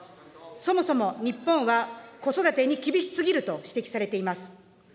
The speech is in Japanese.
そもそも日本は子育てに厳しすぎるとしてきされています。